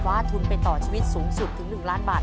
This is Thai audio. ทุนไปต่อชีวิตสูงสุดถึง๑ล้านบาท